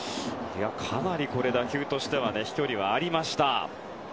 かなり打球としては飛距離はありました。